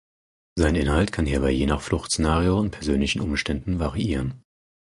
Sein Inhalt kann hierbei je nach Fluchtszenario und persönlichen Umständen variieren.